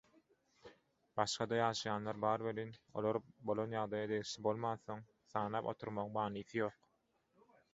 Başga-da ýaşaýanlar bar welin, olar bolan ýagdaýa degişli bolmansoň, sanap oturmagyň manysy ýok.